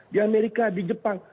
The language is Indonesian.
di amerika di jepang